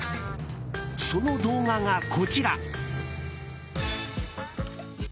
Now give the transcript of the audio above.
その動画がこちら。